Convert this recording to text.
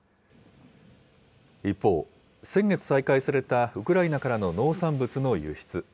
一方、先月再開されたウクライナからの農産物の輸出。